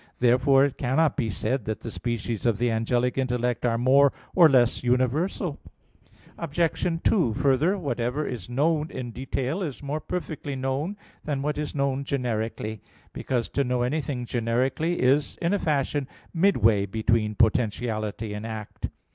Therefore it cannot be said that the species of the angelic intellect are more or less universal. Obj. 2: Further, whatever is known in detail is more perfectly known than what is known generically; because to know anything generically is, in a fashion, midway between potentiality and act.